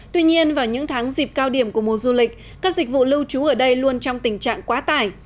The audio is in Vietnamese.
tuy nhiên vào những tháng dịp cao điểm của mùa du lịch các dịch vụ lưu trú ở đây luôn trong tình trạng quá tải